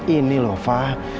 ini loh fa